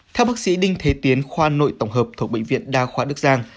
theo bác sĩ đinh thế tiến khoa nội tổng hợp thuộc bệnh viện đa khoa đức giang